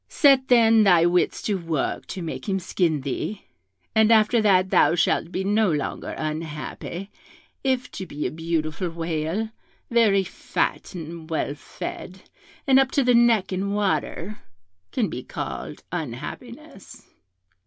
Set, then, thy wits to work to make him skin thee, and after that thou shalt be no longer unhappy, if to be a beautiful whale, very fat and well fed, and up to the neck in water, can be called unhappiness.'